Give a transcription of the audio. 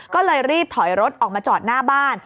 ก็เลยรีบถอยรถออกมาจอดหน้าบ้าน